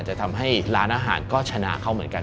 จะทำให้ร้านอาหารก็ชนะเขาเหมือนกัน